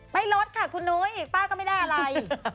ลดค่ะคุณนุ้ยป้าก็ไม่ได้อะไร